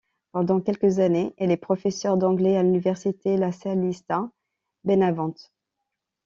Pendant quelques années, elle est professeure d'anglais à l'université Lasallista Benavente.